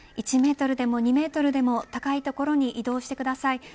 １メートルでも２メートルでも高い所に移動してください。